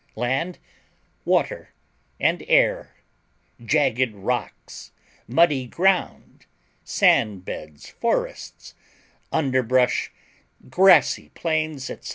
Land, water, and air, jagged rocks, muddy ground, sand beds, forests, underbrush, grassy plains, etc.